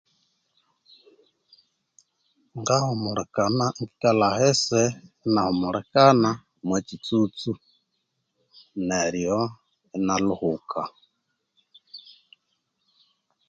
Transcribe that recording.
Ngahumulikana inikalha ahasi inahumulikana omokitsutsu neryo inalhuhuka